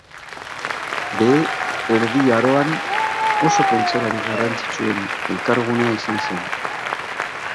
Behe Erdi Aroan oso pentsalari garrantzitsuen elkargunea izan zen.